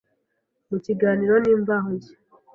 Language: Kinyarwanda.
Mu kiganiro n’Imvaho Nshya